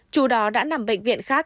chủ đó đã nằm bệnh viện khác